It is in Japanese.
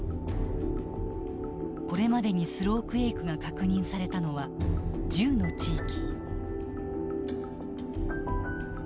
これまでにスロークエイクが確認されたのは１０の地域。